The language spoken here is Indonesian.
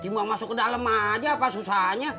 dibuang masuk ke dalam aja apa susahnya